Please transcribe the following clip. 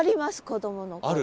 子どもの頃。